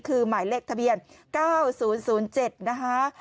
คือหมายเลขทะเบียน๙๐๐๗นะคะ